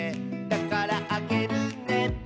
「だからあげるね」